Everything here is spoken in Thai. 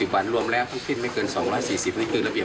วันรวมแล้วทั้งสิ้นไม่เกิน๒๔๐นี่คือระเบียบ